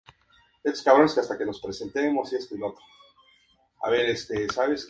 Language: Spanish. El presbiterio de cabecera plana.